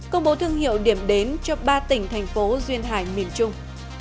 công bố thương hiệu điểm đến cho ba tỉnh thành phố duyên hải miền trung